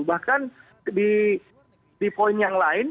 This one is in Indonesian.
bahkan di poin yang lain